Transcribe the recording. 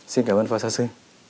xin cảm ơn phó giáo sư